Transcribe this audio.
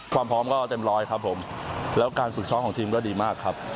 ความพร้อมก็เต็มร้อยครับผมแล้วการฝึกซ้อมของทีมก็ดีมากครับ